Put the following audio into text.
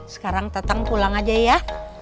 sekarang tatang pulang aja ya